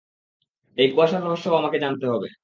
এই কুয়াশার রহস্যও আমাকে জানতে হবে।